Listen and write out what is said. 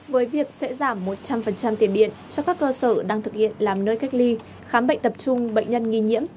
với việc sẽ giảm một trăm linh tiền điện cho các cơ sở đang thực hiện làm nơi cách ly khám bệnh tập trung bệnh nhân nghi nhiễm